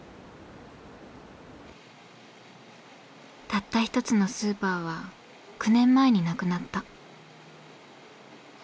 たった１つのスーパーは９年前になくなった。